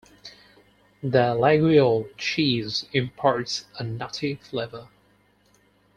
The Laguiole cheese imparts a nutty flavour.